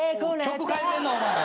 曲替えてんなお前。